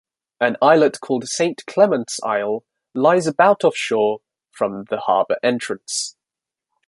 An islet called Saint Clement's Isle lies about offshore from the harbour entrance.